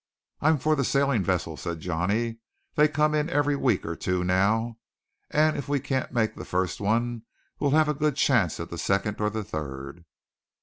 "I'm for the sailing vessel," said Johnny. "They come in every week or two now; and if we can't make the first one, we'll have a good chance at the second or the third."